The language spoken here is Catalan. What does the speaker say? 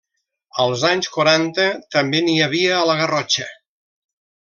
Als anys quaranta, també n'hi havia a la Garrotxa.